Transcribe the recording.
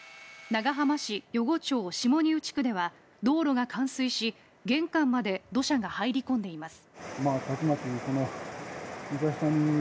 長浜市余呉町下丹生地区では道路が冠水し、玄関まで土砂が入り込んでいます。